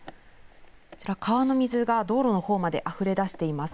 こちら、川の水が道路のほうまであふれ出しています。